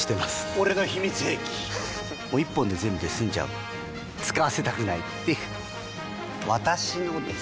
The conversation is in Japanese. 俺の秘密兵器１本で全部済んじゃう使わせたくないっていう私のです！